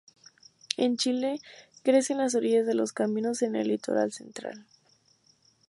En Chile, crece en las orillas de los caminos en el litoral central.